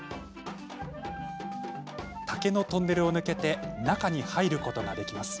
竹のトンネルを抜けて中に入ることができます。